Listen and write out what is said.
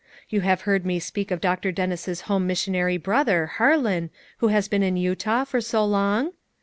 You have heard me speak of Dr. Dennis's home missionary brother, Harlan, who has been in Utah for so long?